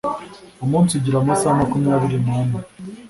umunsi ugira amasaha makumyabiri nane.